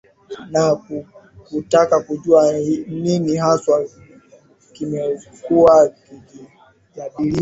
na kutaka kujua nini haswa kimekuwa kikijadiliwa